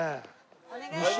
お願いします。